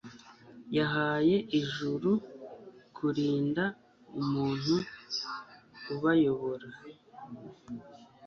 yahaye ijuru kurinda umuntu ubayobora